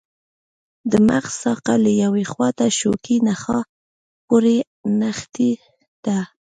د مغز ساقه له یوې خواته شوکي نخاع پورې نښتې ده.